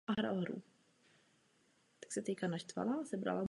Počtvrté v řadě a pošesté celkem zvítězila Švédská florbalová reprezentace.